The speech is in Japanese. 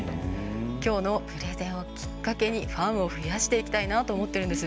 きょうのプレゼンをきっかけにファンを増やしていきたいなと思っているんです。